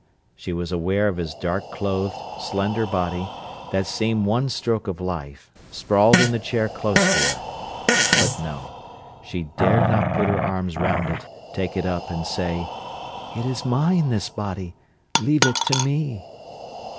She was aware of his dark clothed, slender body, that seemed one stroke of life, sprawled in the chair close to her. But no; she dared not put her arms round it, take it up, and say, "It is mine, this body. Leave it to me."